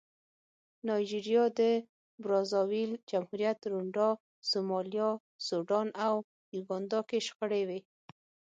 نایجریا، د برازاویل جمهوریت، رونډا، سومالیا، سوډان او یوګانډا کې شخړې وې.